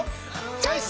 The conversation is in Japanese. チョイス！